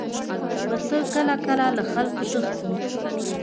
پسه کله کله له خلکو تښتي.